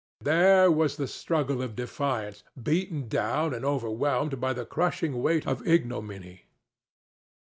There was the struggle of defiance, beaten down and overwhelmed by the crushing weight of ignominy.